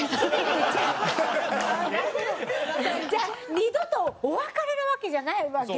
二度とお別れなわけじゃないわけで。